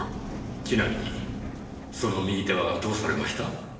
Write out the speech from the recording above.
ちなみにその右手はどうされました？